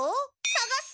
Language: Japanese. さがす？